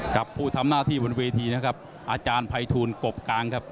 กับผู้ทำหน้าที่บนเวทีนะครับอาจารย์ภัยทูลกบกลางครับ